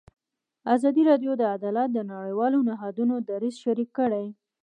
ازادي راډیو د عدالت د نړیوالو نهادونو دریځ شریک کړی.